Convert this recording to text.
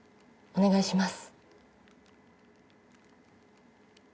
お願いします。